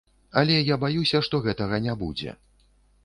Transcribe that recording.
Але я баюся, што гэтага не будзе.